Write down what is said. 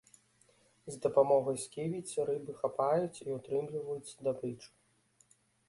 З дапамогай сківіц рыбы хапаюць і ўтрымліваюць здабычу.